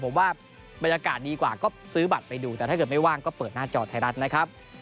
ผมว่าบรรยากาศดีกว่าก็ซื้อบัตรไปดูแต่ถ้าเกิดไม่ว่างก็เปิดหน้าจอไทยรัฐนะครับ